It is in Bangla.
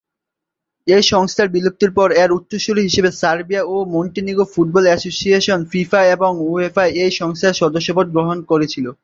এই সংস্থার বিলুপ্তির পর এর উত্তরসূরি হিসেবে সার্বিয়া ও মন্টিনিগ্রো ফুটবল অ্যাসোসিয়েশন ফিফা এবং উয়েফা-এ এই সংস্থার সদস্যপদ গ্রহণ করেছিল।